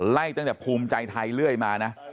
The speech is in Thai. ไล่ตั้งแต่ภูมิใจไทยเรื่อยมานะ